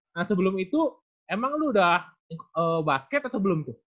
nah sebelum itu emang lo udah basket atau belum tuh